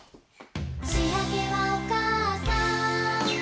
「しあげはおかあさん」